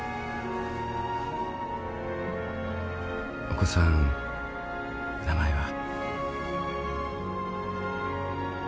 お子さん名前は？